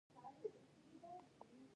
شنیز د یوې درې نوم دی.